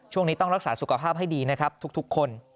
ช่วงนี้ต้องรักษาสุขภาพให้ดีนะครับทุกคน